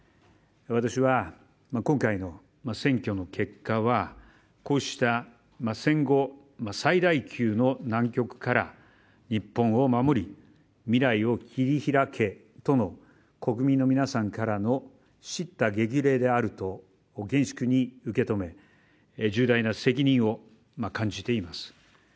私は今回の選挙の結果はこうした戦後最大級の難局から日本を守り、未来を切り開けとの国民の皆さんからの叱咤激励であると厳粛に受け止め、重大な責任を感じています。